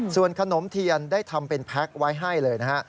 ส่วนขนมเทียนได้ทำเป็นแพ็คไว้ให้เลยนะฮะ